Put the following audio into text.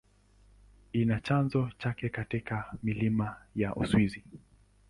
Ina chanzo chake katika milima ya Uswisi.